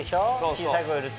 小さい子いると。